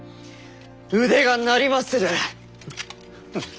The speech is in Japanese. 腕が鳴りまする。